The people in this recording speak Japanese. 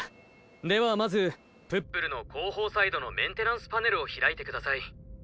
ではまずプップルのこうほうサイドのメンテナンスパネルをひらいてください。